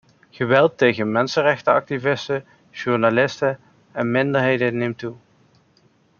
Geweld tegen mensenrechtenactivisten, journalisten en minderheden neemt toe.